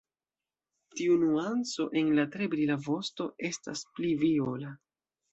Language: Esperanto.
Tiu nuanco en la tre brila vosto estas pli viola.